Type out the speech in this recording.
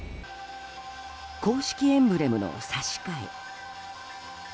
公式エンブレムの差し替え。